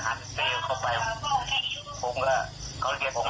มันก็นอนรอดูเดาหนักรทานผ่านมา